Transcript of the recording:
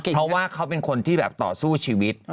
เพราะว่าเขาเป็นคนที่แบบต่อสู้ชีวิต